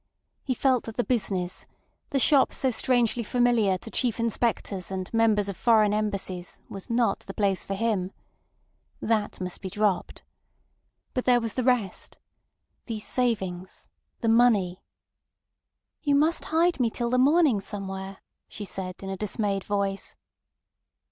He felt that the business, the shop so strangely familiar to chief inspectors and members of foreign Embassies, was not the place for him. That must be dropped. But there was the rest. These savings. The money! "You must hide me till the morning somewhere," she said in a dismayed voice.